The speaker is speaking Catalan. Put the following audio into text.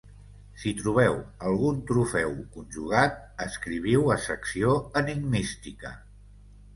Si trobeu algun trofeu conjugat, escriviu a Secció Enigmística.